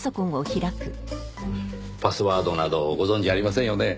パスワードなどご存じありませんよね？